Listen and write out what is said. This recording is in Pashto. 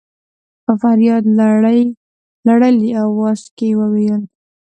په فرياد لړلي اواز کې يې وويل.